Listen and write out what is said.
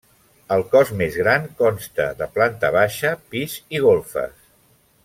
El cos més gran consta de planta baixa, pis i golfes.